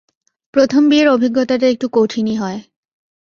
প্রথম বিয়ের অভিজ্ঞতা একটু কঠিনই হয়।